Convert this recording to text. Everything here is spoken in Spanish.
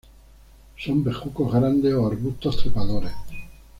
Son bejucos grandes o arbustos trepadores.